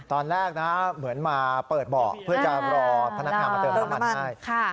ตอนแรกนะเหมือนมาเปิดเบาะเพื่อจะรอพนักงานมาเติมน้ำมันให้